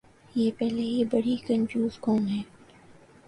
یہ پہلے ہی بڑی کنفیوز قوم ہے۔